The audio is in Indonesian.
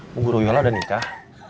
bu guruyola udah nikah